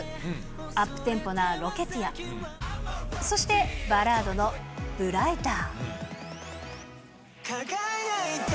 アップテンポなロケティア、そしてバラードのブライター。